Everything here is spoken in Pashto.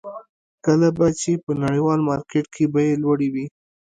کله به چې په نړیوال مارکېټ کې بیې لوړې وې.